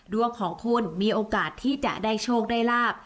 ดวงของคุณมีโอกาสที่จะได้โชคได้ลาบ